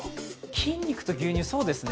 筋肉と牛乳、そうですね